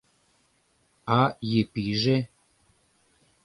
А Епиже?